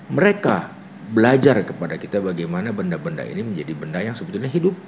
mereka belajar kepada kita bagaimana benda benda ini menjadi benda yang sebetulnya hidup